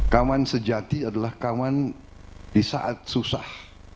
kaman sejati adalah kaman di saat susah